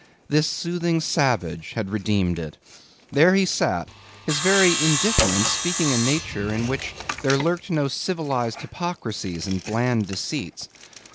This soothing savage had redeemed it. There he sat, his very indifference speaking a nature in which there lurked no civilized hypocrisies and bland deceits.